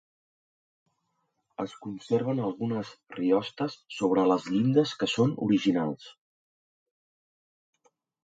Es conserven algunes riostes sobre les llindes que són originals.